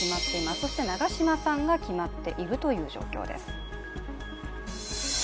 そして長島さんが決まっているという状況です。